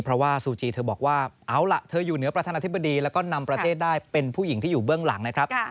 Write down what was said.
เพราะว่าซูจีเธอบอกว่าเอาล่ะเธออยู่เหนือประธานาธิบดีแล้วก็นำประเทศได้เป็นผู้หญิงที่อยู่เบื้องหลังนะครับ